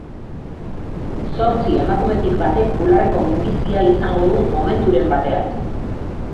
Zortzi emakumetik batek bularreko minbizia izango du momenturen batean.